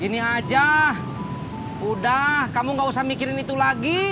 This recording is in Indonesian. gini aja udah kamu nggak usah mikirin itu lagi